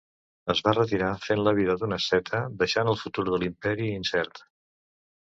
Es va retirar per fer la vida d'un asceta deixant el futur de l'imperi incert.